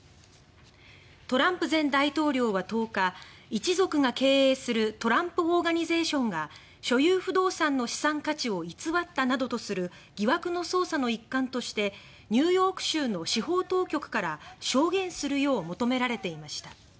トランプ前大統領は１０日一族が経営するトランプ・オーガニゼーションが所有不動産の資産価値を偽ったなどとする疑惑の捜査の一環としてニューヨーク州の司法当局から証言するよう求められていました